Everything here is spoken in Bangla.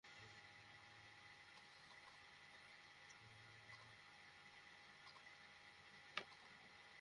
আইভরি কোস্ট এটা আগে কখনো করেনি, আমাদের জন্য এটাই হবে সেরা ফল।